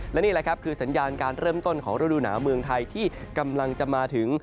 และนี่แหละครับคือสัญญาณการเริ่มต้นของฤดูหนาวเมืองไทยที่กำลังจะมาถึง